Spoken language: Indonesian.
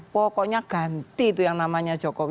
pokoknya ganti itu yang namanya jokowi